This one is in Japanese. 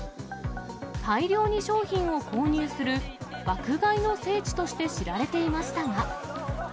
大量に商品を購入する爆買いの聖地として知られていましたが。